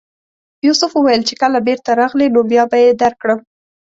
یوسف وویل چې کله بېرته راغلې نو بیا به یې درکړم.